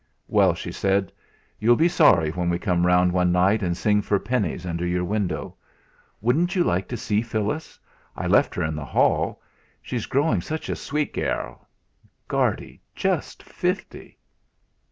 "Well!" she said; "you'll be sorry when we come round one night and sing for pennies under your window. Wouldn't you like to see Phyllis? I left her in the hall. She's growing such a sweet gairl. Guardy just fifty!"